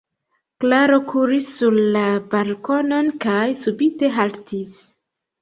Klaro kuris sur la balkonon kaj subite haltis.